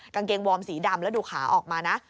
กางเกงวอร์มสีดำแล้วดูขาออกมานะ